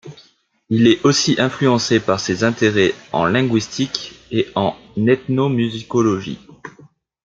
Il est aussi influencé par ses intérêts en linguistique et en ethnomusicologie.